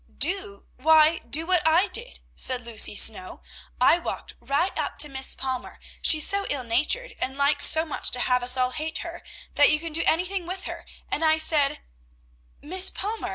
"Do? Why, do what I did," said Lucy Snow. "I walked right up to Miss Palmer, she's so ill natured, and likes so much to have us all hate her, that you can do anything with her, and I said, "'Miss Palmer!